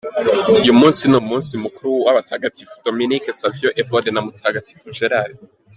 Uyu munsi ni umunsi mukuru w’abatagatifu: Dominic Savio, Evode, na Mutagatifu Gerald.